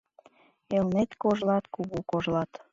Элнет кожлат — кугу кожлат